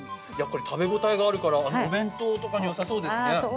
食べ応えがあるからお弁当とかによさそうですね。